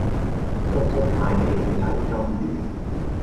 叔叔帶你去睇金魚